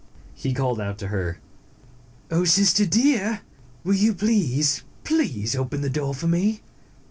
He called out to her, "Oh, Sister Deer, will you please, please, open the door for me?"